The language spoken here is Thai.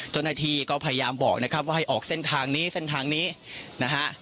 เจ้าหน้าที่ก็พยายามบอกนะครับว่าให้ออกเส้นทางนี้เส้นทางนี้นะฮะ